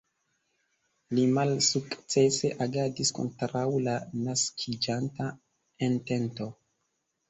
Li malsukcese agadis kontraŭ la naskiĝanta entento.